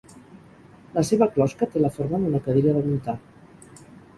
La seva closca té la forma d'una cadira de muntar.